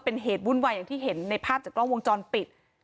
เป็นเหตุวุ่นไหวที่เห็นในภาพจากกล้องวงจอนปิด